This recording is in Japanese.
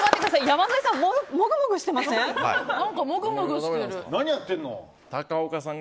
山添さん、もぐもぐしてません？